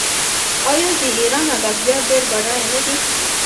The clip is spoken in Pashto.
آیا د ایران ادبیات ډیر بډایه نه دي؟